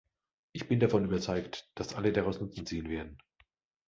Ich bin davon überzeugt, dass alle daraus Nutzen ziehen werden.